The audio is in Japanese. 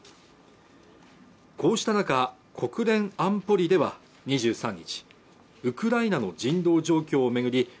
こうした中国連安保理では２３日ウクライナの人道状況を巡り